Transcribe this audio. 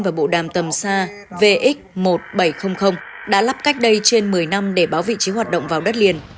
và bộ đàm tầm xa vx một nghìn bảy trăm linh đã lắp cách đây trên một mươi năm để báo vị trí hoạt động vào đất liền